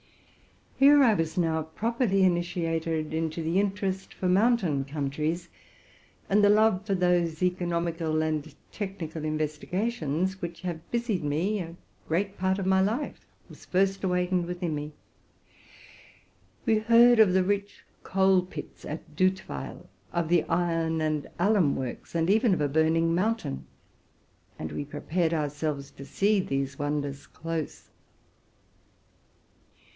Here I was now properly initiated into the interest for mountain countries, and the love for those economical and technical investigations which have busied me a great part of my life was first awak ened within me. We heard of the rich coal pits at Dutweil, of the iron and alum works, and even of a burning mountain ; and we prepared ourselves to see these wonders close.